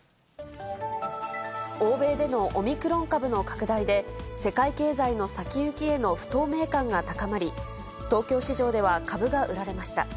欧米でのオミクロン株の拡大で、世界経済の先行きへの不透明感が高まり、東京市場では株が売られました。